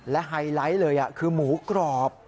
และไฮไลท์เลยคือหมูกรอบ